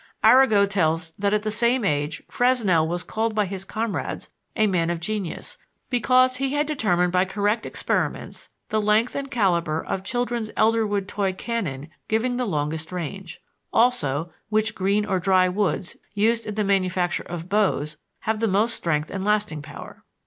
Arago tells that at the same age Fresnel was called by his comrades a "man of genius," because he had determined by correct experiments "the length and caliber of children's elder wood toy cannon giving the longest range; also, which green or dry woods used in the manufacture of bows have most strength and lasting power."